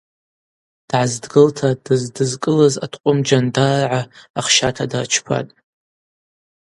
Дгӏаздгылта дыздызкӏылыз аткъвым Джьандарргӏа ахщата дырчпатӏ.